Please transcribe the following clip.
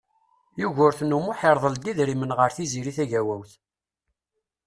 Yugurten U Muḥ irḍel-d idrimen ɣer Tiziri Tagawawt.